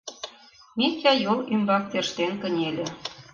Митя йол ӱмбак тӧрштен кынеле.